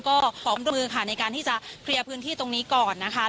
ก็พร้อมมือค่ะในการที่จะเคลียร์พื้นที่ตรงนี้ก่อนนะคะ